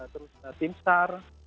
terus tim sar